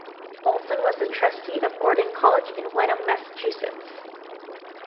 Olsen was a trustee of Gordon College in Wenham, Massachusetts.